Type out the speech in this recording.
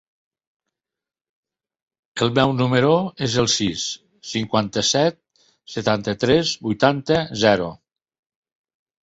El meu número es el sis, cinquanta-set, setanta-tres, vuitanta, zero.